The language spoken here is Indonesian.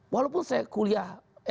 walaupun saya kuliah s dua